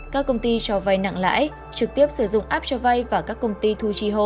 các công ty cho vay nặng lãi trực tiếp sử dụng app cho vay và các công ty thu chi hộ